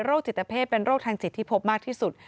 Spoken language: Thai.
จิตเพศเป็นโรคทางจิตที่พบมากที่สุด